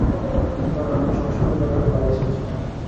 দারুণ, আমি সবসময়েই কয়েকটা ভাই চেয়েছিলাম।